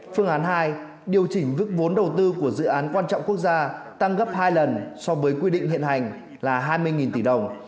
phương án hai điều chỉnh mức vốn đầu tư của dự án quan trọng quốc gia tăng gấp hai lần so với quy định hiện hành là hai mươi tỷ đồng